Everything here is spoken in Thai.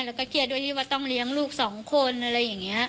แล้วก็เครียดด้วยที่ว่าต้องเลี้ยงลูกสองคนอะไรอย่างนี้